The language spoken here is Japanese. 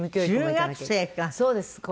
そうです。